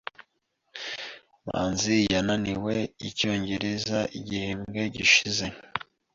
Manzi yananiwe Icyongereza igihembwe gishize.